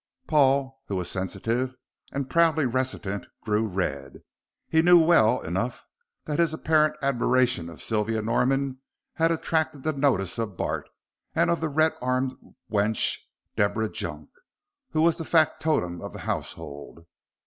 Paul, who was sensitive and proudly reticent, grew red. He knew well enough that his apparent admiration of Sylvia Norman had attracted the notice of Bart and of the red armed wench, Deborah Junk, who was the factotum of the household.